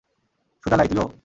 সুদালাই, তুইও।